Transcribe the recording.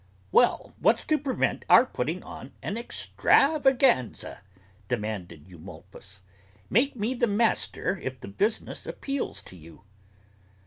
"Well, what's to prevent our putting on an extravaganza?" demanded Eumolpus. "Make me the master if the business appeals to you."